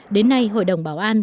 đến nay hội đồng bảo an